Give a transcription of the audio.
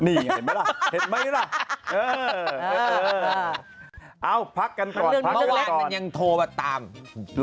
นี่เห็นไหมล่ะเห็นไหมล่ะ